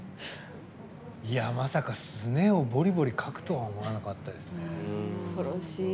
まさか、すねをボリボリかくとは思わなかったですね。